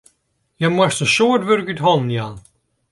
Hja moast in soad wurk út hannen jaan.